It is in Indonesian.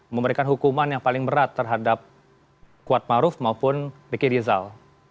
memberikan hukuman yang paling berat terhadap kuat maruf maupun bekir rizal